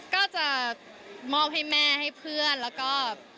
ก็จะมอบให้แม่ให้เพื่อนแล้วก็